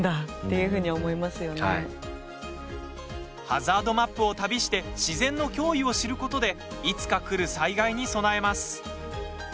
ハザードマップを旅して自然の驚異を知ることでいつかくる災害に備えます。